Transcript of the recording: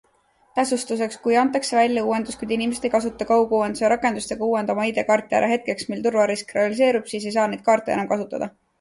Täsustuseks, kui antakse välja uuendus, kuid inimesed ei kasuta kauguuenduse rakendust ega uuenda oma ID-kaarti ära hetkeks, mil turvarisk realiseerub, siis ei saa neid kaarte enam kasutada.